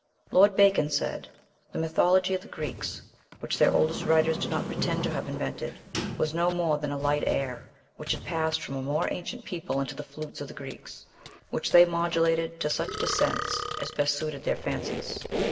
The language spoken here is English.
Lord Bacon said: "The mythology of the Greeks, which their oldest writers do not pretend to have invented, was no more than a light air, which had passed from a more ancient people into the flutes of the Greeks, which they modulated to such descants as best suited their fancies."